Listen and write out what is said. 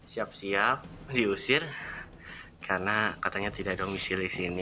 siap siap diusir karena katanya tidak ada domisi di sini